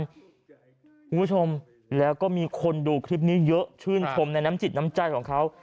คุณผู้ชมแล้วก็มีคนดูคลิปนี้เยอะชื่นชมในน้ำจิตน้ำใจของเขา